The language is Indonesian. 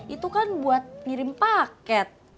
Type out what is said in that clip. itu kan buat ngirim paket